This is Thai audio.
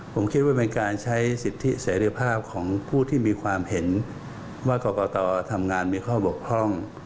ผมคิดว่าเป็นการใช้สิทธิเสรีภาพของผู้ที่มีความเห็นว่ากรกตทำงานมีข้อบกพร่อง